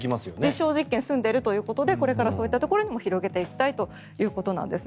実証実験が済んでいるということでこれからそういったところにも広げていきたいということなんです。